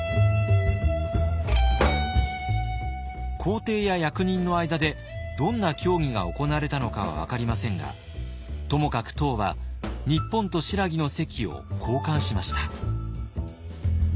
皇帝や役人の間でどんな協議が行われたのかは分かりませんがともかく唐は日本と新羅の席を交換しました。